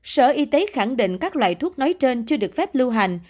sở y tế khẳng định các loại thuốc nói trên chưa được phép lưu hành